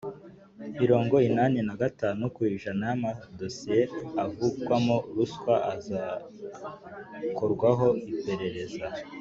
mirongo inani na gatanu ku ijana y’amadosiye avugwamo ruswa azakorwaho iperereza;